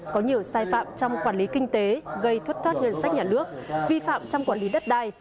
có nhiều sai phạm trong quản lý kinh tế gây thất thoát ngân sách nhà nước vi phạm trong quản lý đất đai